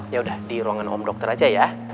ya udah di ruangan om dokter aja ya